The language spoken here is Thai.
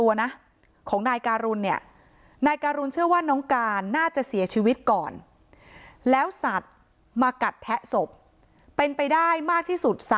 ว่าน้อยการล์น่าจะเสียชีวิตก่อนแล้วสัตว์มากัดแผะศพเป็นไปได้มากที่สุด๓